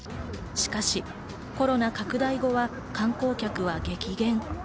しかし、コロナ拡大後は観光客は激減。